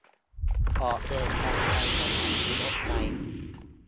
ออกเดินทางไปสถานีรถไฟ